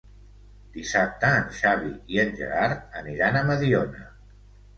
Dissabte en Xavi i en Gerard aniran a Mediona.